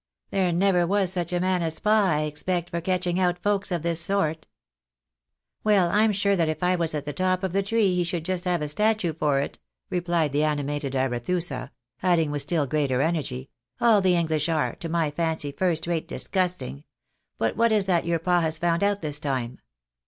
There never was such a man as pa, I expect, for catching out folks of this sort !"" Well ! I'm sure that if I was at the top of the tree, he should just have a statue for it," replied the animated Arethusa, adding with still greater energy, " all the English are, to my fancy, first rate disgusting. But what is that your pa has found out this time?"